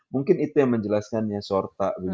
mungkin itu yang menjelaskannya sorta